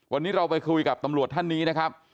วันนี้เราไปคุยกับตำรวจท่านนี้นะครับ